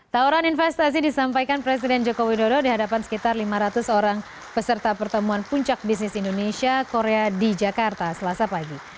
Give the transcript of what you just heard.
tawaran investasi disampaikan presiden joko widodo di hadapan sekitar lima ratus orang peserta pertemuan puncak bisnis indonesia korea di jakarta selasa pagi